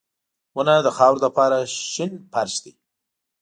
• ونه د خاورو لپاره شنه فرش دی.